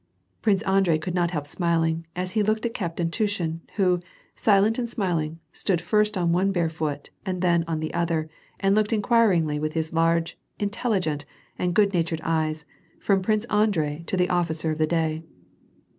Prince Andrei could not help smiling, as he looked at Cap tain Tushin who, silent and smiling, stood first on one bare foot and then on the other, and looked inquiringly with his large, intelligent, and good natured eyes, from Prince Andrei to the officer of the day.